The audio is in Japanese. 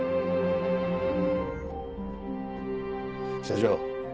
社長